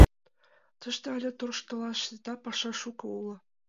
— Тыште але тӧрштылаш сита... паша шуко уло...